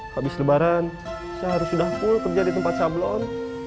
habis lebaran saya harus sudah full kerja di tempat sablon